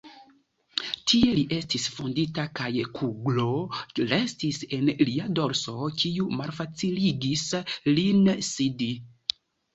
Tie li estis vundita kaj kuglo restis en lia dorso, kiu malfaciligis lin sidi.